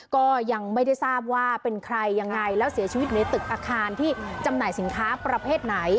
ก็ยังไม่ได้ทราบว่าเป็นใครยังไงแล้วเสียชีวิตอยู่ในตึกอาคารที่จำหน่ายสินค้าประเภทไหน